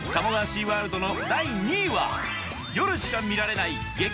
シーワールドの第２位は夜しか見られない激